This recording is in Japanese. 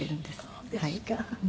そうですか。